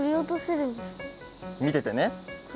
みててね。